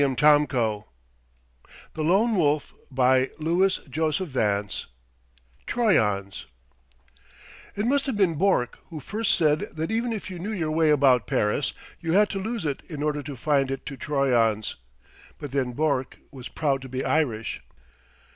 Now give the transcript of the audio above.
DAYBREAK THE LONE WOLF I TROYON'S It must have been Bourke who first said that even if you knew your way about Paris you had to lose it in order to find it to Troyon's. But then Bourke was proud to be Irish.